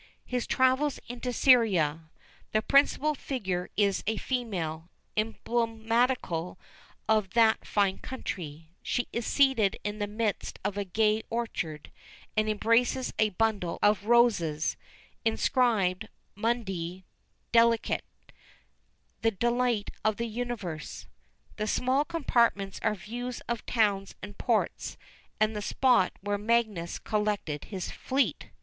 His travels into Syria. The principal figure is a female, emblematical of that fine country; she is seated in the midst of a gay orchard, and embraces a bundle of roses, inscribed Mundi deliciæ "The delight of the universe." The small compartments are views of towns and ports, and the spot where Magius collected his fleet.